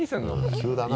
急だな。